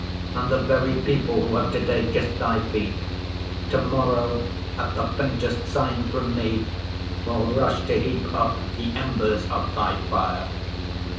And the very people who have to‐day kissed Thy feet, to‐morrow at the faintest sign from me will rush to heap up the embers of Thy fire.